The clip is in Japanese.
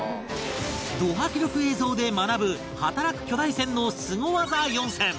ド迫力映像で学ぶ働く巨大船のスゴ技４選